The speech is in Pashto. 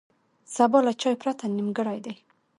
سبا له چای پرته نیمګړی دی.